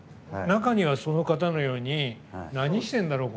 中には、その方のように何してるんだろう？